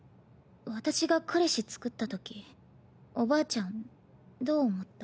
私が彼氏つくったときおばあちゃんどう思った？